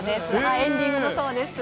エンディングの、そうです。